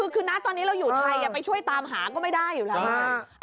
คือนะตอนนี้เราอยู่ไทยไปช่วยตามหาก็ไม่ได้อยู่แล้วนะ